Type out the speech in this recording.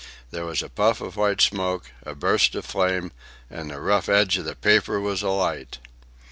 There was a puff of white smoke, a burst of flame, and the rough edge of the paper was alight.